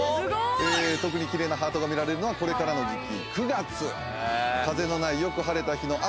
特に奇麗なハートが見られるのはこれからの時季９月。